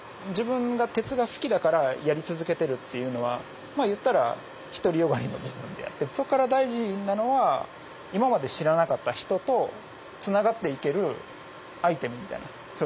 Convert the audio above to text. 自分が鉄が好きだからやり続けてるっていうのはまあ言ったら独り善がりの部分であってそこから大事なのは今まで知らなかった人とつながっていけるアイテムみたいな。